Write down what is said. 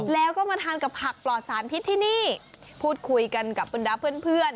แล้วก็มาทานกับผักปลอดสารพิษที่นี่พูดคุยกันกับบรรดาเพื่อน